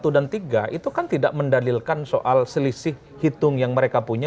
satu dan tiga itu kan tidak mendalilkan soal selisih hitung yang mereka punya